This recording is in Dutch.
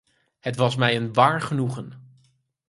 Het was mij een waar genoegen.